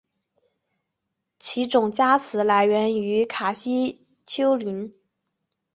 其种加词来源于卡西丘陵。